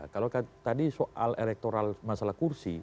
kalau tadi soal elektoral masalah kursi